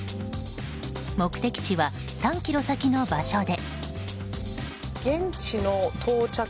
目的地は３ｋｍ先の場所で。